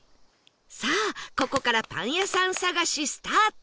さあここからパン屋さん探しスタート！